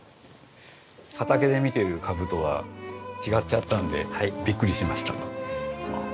畑で見てるかぶとは違っちゃったんでビックリしました。